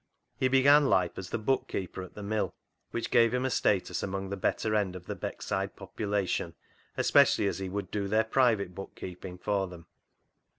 He began life as the bookkeeper at the mill, which gave him a status amongst the better end of the Beckside population, especially 74 CLOG SHOP CHRONICLES as he would do their private bookkeeping for them.